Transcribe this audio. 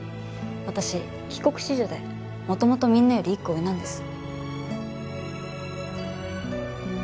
私帰国子女で元々みんなより１個上なんです。